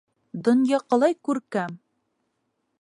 Донъя ҡалай күркәм!